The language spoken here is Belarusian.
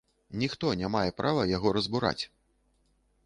Ніхто не мае права яго разбураць.